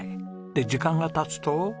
で時間が経つと。